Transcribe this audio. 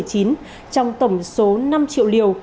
trong tổng số năm triệu liều